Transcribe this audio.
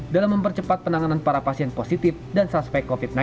dalam mempercepat penanganan para pasien positif dan suspek covid sembilan belas